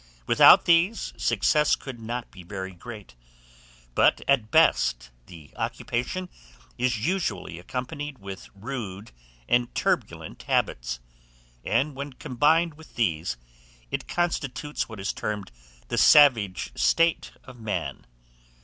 Without these, success could not be very great; but, at best, the occupation is usually accompanied with rude and turbulent habits; and, when combined with these, it constitutes what is termed the savage state of man.